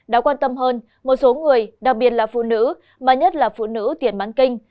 đáng quan tâm hơn một số người đặc biệt là phụ nữ mà nhất là phụ nữ tiền bán kinh